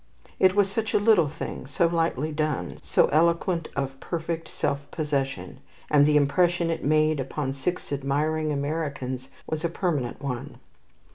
It was such a little thing, so lightly done, so eloquent of perfect self possession, and the impression it made upon six admiring Americans was a permanent one.